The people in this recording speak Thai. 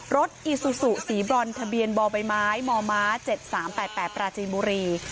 อีซูซูสีบรอนทะเบียนบ่อใบไม้มม๗๓๘๘ปราจีนบุรี